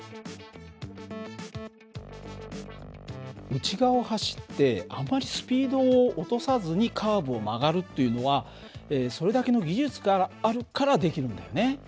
内側を走ってあまりスピードを落とさずにカーブを曲がるというのはそれだけの技術があるからできるんだよね。